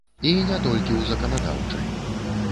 І не толькі ў заканадаўчай.